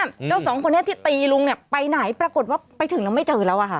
เจ้าสองคนนี้ที่ตีลุงเนี่ยไปไหนปรากฏว่าไปถึงแล้วไม่เจอแล้วอ่ะค่ะ